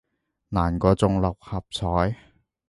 難中過六合彩